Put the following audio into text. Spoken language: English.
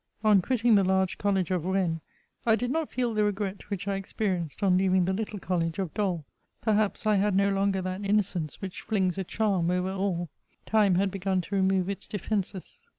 On quitting the krge College of Bennes, I did not feel the regret which I experienced on leaving the Httle College of DoL Perhaps I had no longer that innocence which flings a charm over all ; time had hegun to remove its defences.